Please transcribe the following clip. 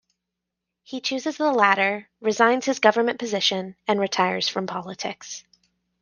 He chooses the latter, resigns his government position and retires from politics.